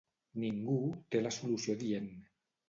Ningú té la solució adient.